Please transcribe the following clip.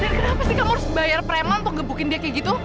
dan kenapa sih kamu harus bayar preman untuk ngebukin dia kayak gitu